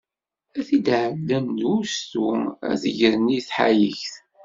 Ad t-id-ɛellen d ustu, ad t-gren i tḥayekt.